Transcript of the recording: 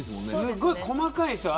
すごい細かいですよね。